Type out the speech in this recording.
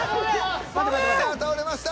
さあ倒れました。